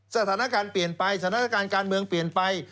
สถานการณ์เปลี่ยนไปสถานการณ์การเมืองเปลี่ยนไป